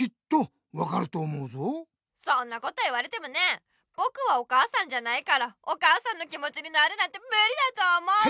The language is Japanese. そんなこと言われてもねぼくはお母さんじゃないからお母さんの気もちになるなんてムリだと思う。